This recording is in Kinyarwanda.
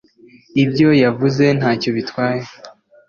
Ibyo yavuze ntacyo bitwaye